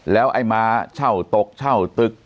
แล้วไอ้มาเช่าตกเช่าตึก